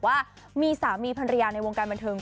ว่ามีสามีพันธุ์เรียนในวงการบันเทิง